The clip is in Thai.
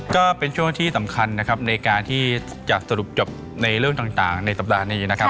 ก็เป็นช่วงที่สำคัญนะครับในการที่จะสรุปจบในเรื่องต่างในสัปดาห์นี้นะครับ